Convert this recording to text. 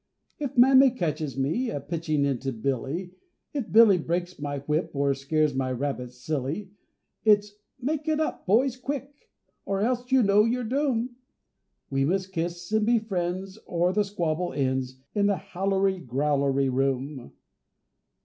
If Mammy catches me A pitching into Billy; If Billy breaks my whip, Or scares my rabbit silly, It's "Make it up, boys, quick! Or else you know your doom!" We must kiss and be friends, or the squabble ends In the Howlery Growlery room.